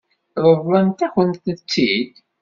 Ṛeḍlent-akent-tt-id?